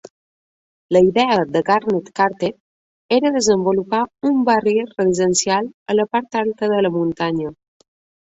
La idea de Garnet Carter era desenvolupar un barri residencial a la part alta de la muntanya.